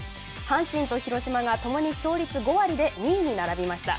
阪神と広島がともに勝率５割で２位に並びました。